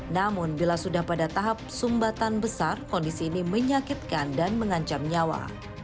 namun bila sudah pada tahap sumbatan besar kondisi ini menyakitkan dan mengancam nyawa